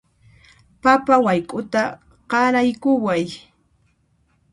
Papa wayk'uta qaraykuway